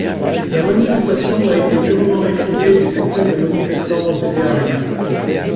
La manifestation a été durement réprimée et des centaines de manifestant ont été arrêtés.